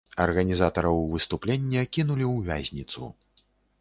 Арганізатараў выступлення кінулі ў вязніцу.